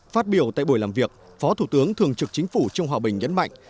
phát biểu tại buổi làm việc phó thủ tướng thường trực chính phủ trương hòa bình nhấn mạnh